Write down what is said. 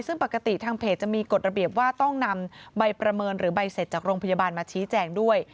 ซึ่งปกติทางเพจจะมีกฎระเบียบว่าต้องนำใบประเมินหรือใบเสร็จจากโรงพยาบาลมาชี้แจงด้วย